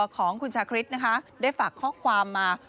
ของคุณชาคริสนะคะได้ฝากข้อความมา